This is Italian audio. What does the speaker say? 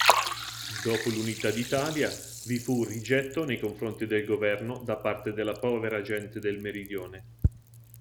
Dopo l'unità d'Italia vi fu un rigetto nei confronti del governo da parte della povera gente del meridione.